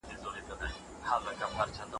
که طبیعي پدیدې وڅېړل سي نو نوي کشفیات به وسي.